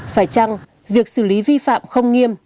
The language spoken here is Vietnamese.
phải chăng việc xử lý vi phạm không nghiêm